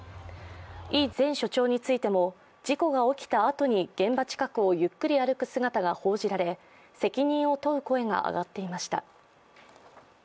イ前署長についても事故が起きたあとに現場近くをゆっくり歩く姿が報じられ、責任を問う声が上がっていました。